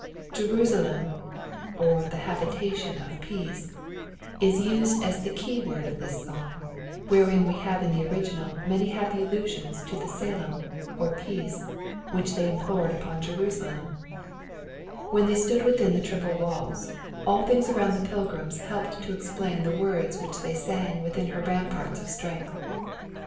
Jerusa^ lem, or the Habitation of Peace, is used as the key word of this psalm, wherein we have in the original many happy allusions io the salem, or peace, which they implored upon Jerusalem, When they stood within the triple walls, all things around the pilgrims helped to explain the xcords which they sang icithin her ramparts of strength.